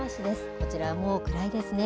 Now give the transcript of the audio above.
こちらはもう暗いですね。